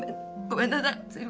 ごめんなさい。